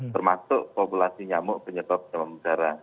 termasuk populasi nyamuk penyetop jamu berdarah